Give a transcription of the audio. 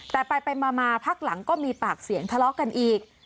แต่ไปมาพักหลังก็มีปากเสียงทะเลาะกันอีก